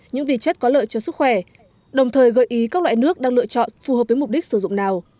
những vị chất có lợi cho sức khỏe đồng thời gợi ý các loại nước đang lựa chọn phù hợp với mục đích sử dụng nào